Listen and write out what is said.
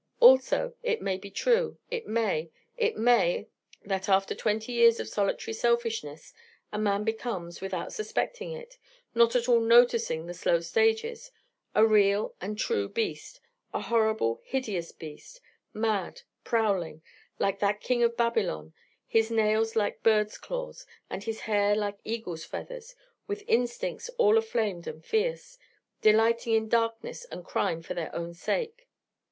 Also, it may be true, it may, it may, that after twenty years of solitary selfishness, a man becomes, without suspecting it not at all noticing the slow stages a real and true beast, a horrible, hideous beast, mad, prowling, like that King of Babylon, his nails like birds' claws, and his hair like eagles' feathers, with instincts all inflamed and fierce, delighting in darkness and crime for their own sake.